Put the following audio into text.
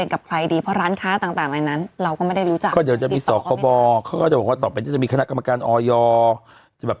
ไม่ตรงปกแล้วเรื่องนึงนะ